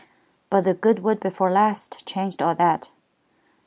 But the Goodwood before last changed all that.